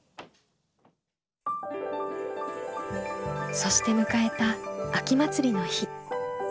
そして迎えた秋祭りの日。